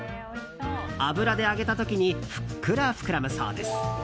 油で揚げた時にふっくら膨らむそうです。